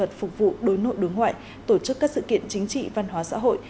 luật phục vụ đối nội đối ngoại tổ chức các sự kiện chính trị văn hóa xã hội